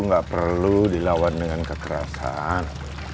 nggak perlu dilawan dengan kekerasan